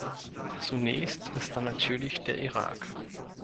Zunächst ist da natürlich der Irak.